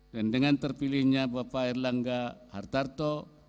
dan dengan terpilihnya bapak erlangga hartarto